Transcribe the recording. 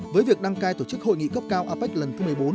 với việc đăng cai tổ chức hội nghị cấp cao apec lần thứ một mươi bốn